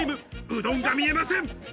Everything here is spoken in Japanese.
うどんが見えません。